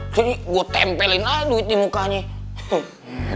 jadi gue tempelin aja duit di mukanya